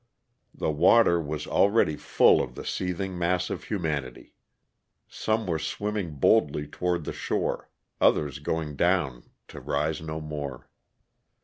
The water was already full of the seething mass of humanity. Some were swimming boldly toward the shore, others going down to rise no more.